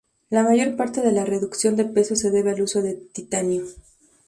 La mayor parte de la reducción de peso se debe al uso de titanio.